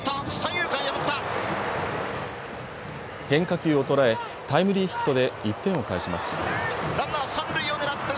変化球を捉えタイムリーヒットで１点を返します。